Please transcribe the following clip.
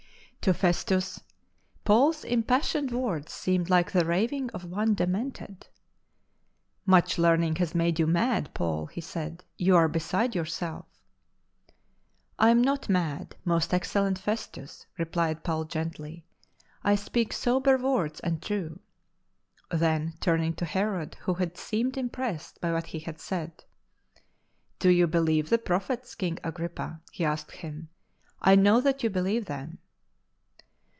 To Festus, Paul's impassioned words seemed like the raving of one demented. " Much learning has made 5 mu mad, Paul," he said; " you are beside yourself." " I am not mad, most excellent Festus," replied Paul gently, " I speak sober words and true." Then, turning to Herod, who had seemed impressed by what he had said: " Do you believe the Prophets, King Agrippa ?" he asked him. "I know that you believe them."